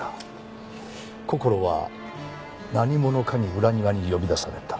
こころは何者かに裏庭に呼び出された。